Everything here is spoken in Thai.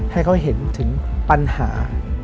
ให้เขาเห็นถึงปัญหา